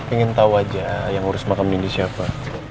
ingin tau aja yang ngurus makam nindi siapa